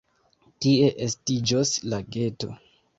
Tie estiĝos lageto.